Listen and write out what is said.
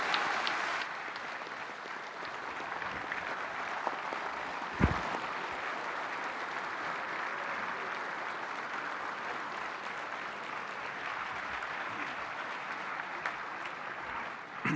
dan berkongsi dengan tuhan